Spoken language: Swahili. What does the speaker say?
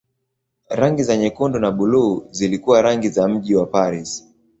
Rangi za nyekundu na buluu zilikuwa rangi za mji wa Paris.